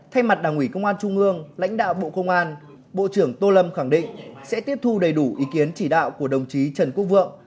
thay mặt đảng ủy công an trung ương lãnh đạo bộ công an bộ trưởng tô lâm khẳng định sẽ tiếp thu đầy đủ ý kiến chỉ đạo của đồng chí trần quốc vượng